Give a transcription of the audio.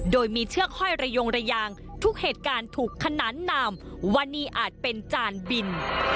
โดยมีเชือกห้อยระยงระยางทุกเหตุการณ์ถูกขนานนามว่านี่อาจเป็นจานบิน